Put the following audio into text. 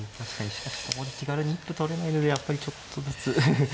しかしここで気軽に一歩取れないのでやっぱりちょっとずつ。